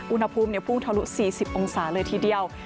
อุณหภูมิพุ่งทะลุ๔๐องศาเลยทีเดียว